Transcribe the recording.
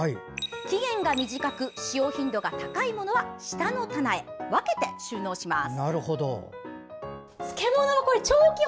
期限が短く使用頻度が高いものは下の棚へ分けて収納します。